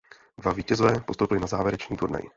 Dva vítězové postoupili na závěrečný turnaj.